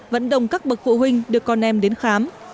vẫn đồng các bậc phụ huynh được con em đến khám